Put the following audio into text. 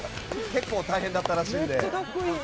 結構、大変だったらしいので。